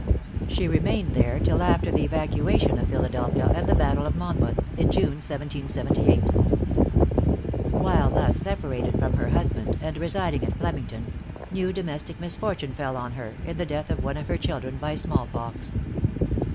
She remained there till after the evacuation of Philadelphia and the battle of Monmouth, in June, 1778. While thus separated from her husband, and residing at Flemington, new domestic misfortune fell on her, in the death of one of her children by smallpox.